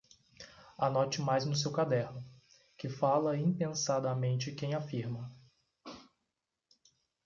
Anote mais no seu caderno: que fala impensadamente quem afirma